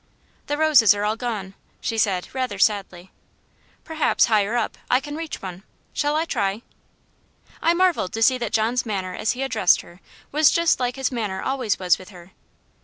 "The roses are all gone," she said rather sadly. "Perhaps, higher up, I can reach one shall I try?" I marvelled to see that John's manner as he addressed her was just like his manner always with her.